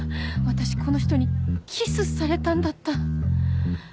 私この人にキスされたんだった！